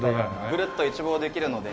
グルッと一望できるので。